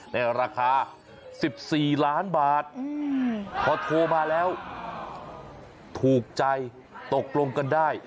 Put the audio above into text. ในราคา๑๔ล้านบาทพอโทรมาแล้วถูกใจตกลงกันได้